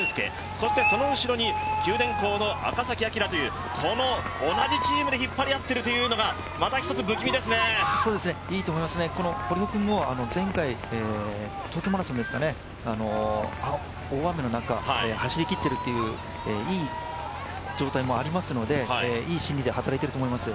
そしてその後ろに九電工の赤崎暁と同じチームで引っ張り合っているというのがいいと思いますね、この堀尾君も前回東京マラソンですかね、大雨の中走りきっているという、いい状態もありますので、いい心理ではたらいていると思います。